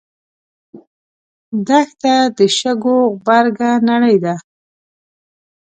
دښته د شګو غبرګه نړۍ ده.